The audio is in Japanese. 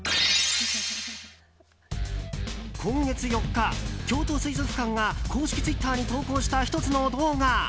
今月４日、京都水族館が公式ツイッターに投稿した１つの動画。